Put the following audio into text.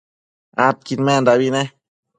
adquidmendabi ne